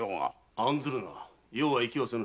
案ずるな余は行きはせぬ。